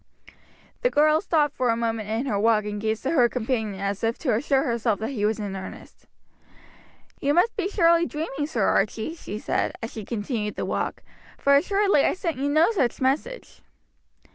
The girl stopped for a moment in her walk and gazed at her companion as if to assure herself that he was in earnest. "You must be surely dreaming, Sir Archie," she said, as she continued the walk, "for assuredly I sent you no such message."